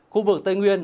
khu vực tây nguyên